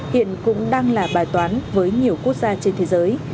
hiện cũng đang là bài toán với nhiều quốc gia trên thế giới